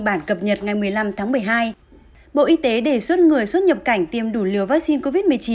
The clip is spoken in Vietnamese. bản cập nhật ngày một mươi năm tháng một mươi hai bộ y tế đề xuất người xuất nhập cảnh tiêm đủ liều vaccine covid một mươi chín